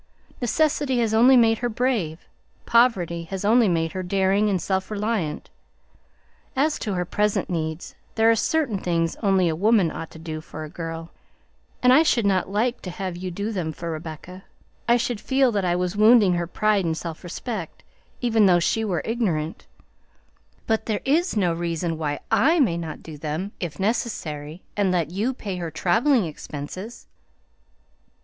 Necessity has only made her brave; poverty has only made her daring and self reliant. As to her present needs, there are certain things only a woman ought to do for a girl, and I should not like to have you do them for Rebecca; I should feel that I was wounding her pride and self respect, even though she were ignorant; but there is no reason why I may not do them if necessary and let you pay her traveling expenses.